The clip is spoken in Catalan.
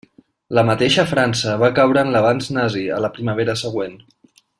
La mateixa França va caure en l'avanç nazi a la primavera següent.